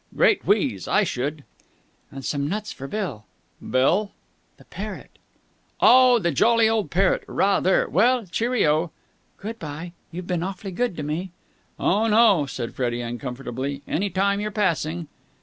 "Great wheeze! I should!" "And some nuts for Bill!" "Bill?" "The parrot." "Oh, the jolly old parrot! Rather! Well, cheerio!" "Good bye.... You've been awfully good to me." "Oh, no," said Freddie uncomfortably. "Any time you're passing...."